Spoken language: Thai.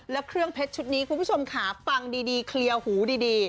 แล้วเครื่องเพชรชุดนี้คุณผู้ชมค่ะฟังดีเคลียร์หูดี